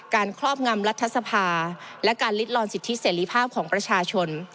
ครอบงำรัฐสภาและการลิดลอนสิทธิเสรีภาพของประชาชน